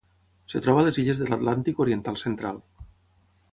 Es troba a les illes de l'Atlàntic oriental central.